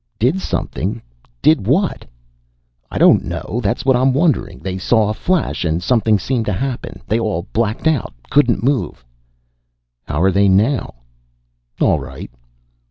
"Did something? Did what?" "I don't know. That's what I'm wondering. They saw a flash, and something seemed to happen. They all blacked out. Couldn't move." "How are they now?" "All right."